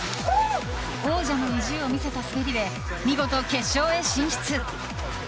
王者の意地を見せた滑りで見事、決勝へ進出。